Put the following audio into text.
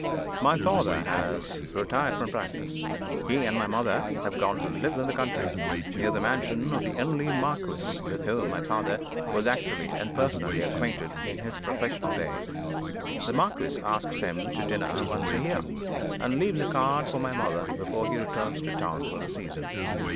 My father has retired from practice. He and my mother have gone to live in the country, near the mansion of the only marquis with whom my father was actually and personally acquainted in his professional days. The marquis asks him to dinner once a year, and leaves a card for my mother before he returns to town for the season.